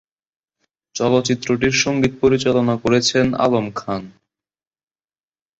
চলচ্চিত্রটির সঙ্গীত পরিচালনা করেছেন আলম খান।